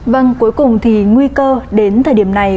vâng cuối cùng thì nguy cơ đến thời điểm này